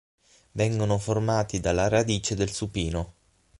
Vengono formati dalla radice del supino.